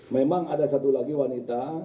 memang ada satu lagi wanita yang duduk di bandung